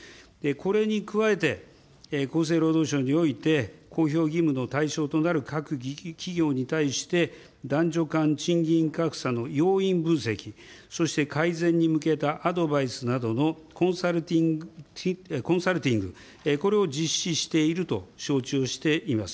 これに加えて、厚生労働省において、公表義務の対象となる各企業に対して、男女間賃金格差の要因分析、そして改善に向けたアドバイスなどのコンサルティング、これを実施していると承知をしております。